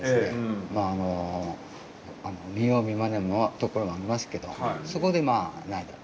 見よう見まねのところはありますけどそこでまあ慣れたと。